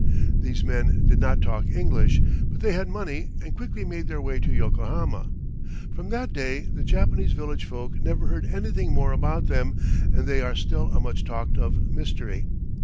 These men did not talk English, but they had money and quickly made their way to Yokohama. From that day the Japanese village folk never heard anything more about them, and they are still a much talked of mystery.